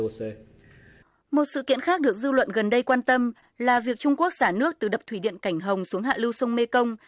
một sự kiện khác được dư luận gần đây quan tâm là việc trung quốc xả nước từ đập thủy điện cảnh hồng xuống hạ lưu sông mê công